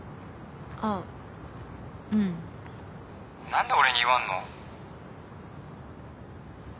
何で俺に言わんの？